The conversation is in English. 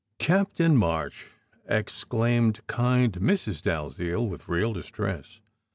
"Captain March!" exclaimed kind Mrs. Dalziel, with real distress.